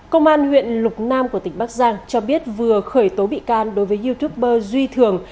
công an huyện lục nam của tỉnh bắc giang cho biết vừa khởi tố bị can đối với youtuber duy thường